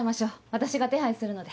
私が手配するので。